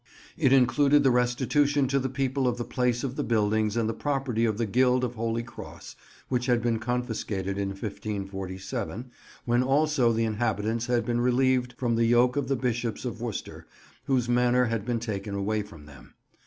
It included the restitution to the people of the place of the buildings and the property of the Guild of Holy Cross which had been confiscated in 1547, when also the inhabitants had been relieved from the yoke of the Bishops of Worcester, whose manor had been taken away from them.